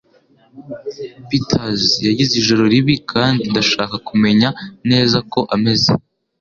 Peter's yagize ijoro ribi kandi ndashaka kumenya neza ko ameze.